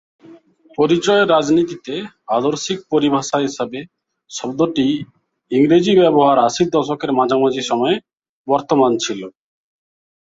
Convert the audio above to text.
পরিচয়ের রাজনীতিতে আদর্শিক পরিভাষা হিসাবে শব্দটির ইংরেজি ব্যবহার আশির দশকের মাঝামাঝি সময়ে বর্তমান ছিল।